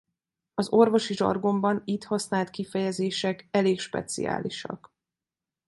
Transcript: Az orvosi zsargonban itt használt kifejezések elég speciálisak.